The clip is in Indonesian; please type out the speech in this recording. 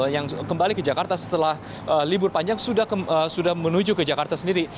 yang kembali ke jakarta setelah libur panjang sudah menuju ke jakarta sendiri